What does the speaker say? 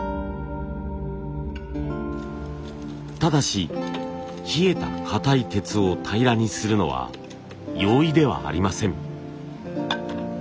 ただし冷えた硬い鉄を平らにするのは容易ではありません。